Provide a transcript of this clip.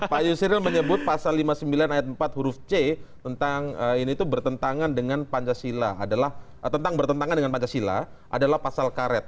pak yusril menyebut pasal lima puluh sembilan ayat empat huruf c tentang ini itu bertentangan dengan pancasila adalah tentang bertentangan dengan pancasila adalah pasal karet